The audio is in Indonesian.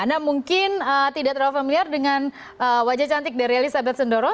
anda mungkin tidak terlalu familiar dengan wajah cantik dari elizabeth sindoro